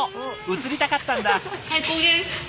映りたかったんだ。